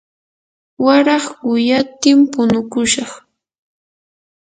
waray quyatim punukushaq.